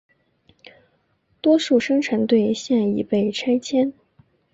多数生产队现已被拆迁。